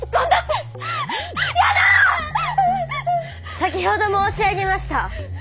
先ほど申し上げました。